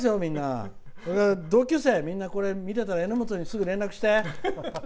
同級生、みんな、これ見てたらえのもとにすぐ連絡して。